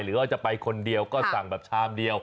หรือว่าจะไปคนเดียวก็สั่งแบบชามเดียว